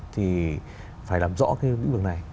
thì phải làm rõ cái vĩ vực này